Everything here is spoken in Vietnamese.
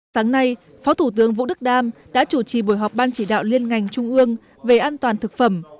sáng nay phó thủ tướng vũ đức đam đã chủ trì buổi họp ban chỉ đạo liên ngành trung ương về an toàn thực phẩm